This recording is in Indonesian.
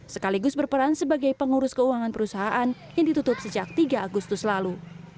sekaligus berperan sebagai pengurus keuangan perusahaan yang ditutup sejak tiga agustus lalu